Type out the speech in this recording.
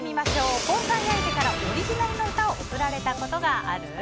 交際相手からオリジナルの歌を贈られたことがある？